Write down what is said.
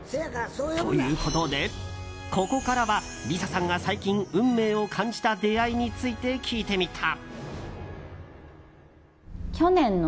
ということで、ここからはＬｉＳＡさんが最近運命を感じた出会いについて聞いてみた。